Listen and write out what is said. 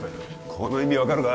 この意味分かるか？